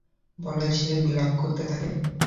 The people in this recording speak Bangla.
বলে সে বিলাপ করতে থাকে।